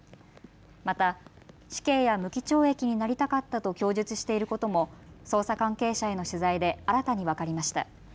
また死刑や無期懲役になりたかったと供述していることも捜査関係者への取材で新たに分かりました。